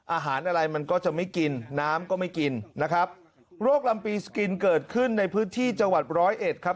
อาหารอะไรมันก็จะไม่กินน้ำก็ไม่กินนะครับโรคลำปีสกินเกิดขึ้นในพื้นที่จังหวัดร้อยเอ็ดครับ